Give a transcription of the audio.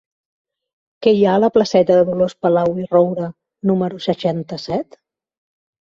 Què hi ha a la placeta de Dolors Palau i Roura número seixanta-set?